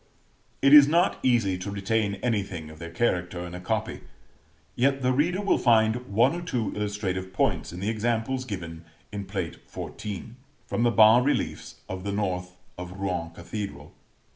It is not easy to retain anything of their character in a copy; yet the reader will find one or two illustrative points in the examples, given in Plate XIV., from the bas reliefs of the north of Rouen Cathedral.